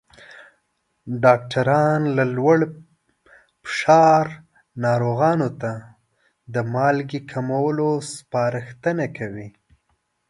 ډاکټران له لوړ فشار ناروغانو ته د مالګې کمولو سپارښتنه کوي.